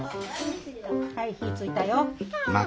はい火ついたよ。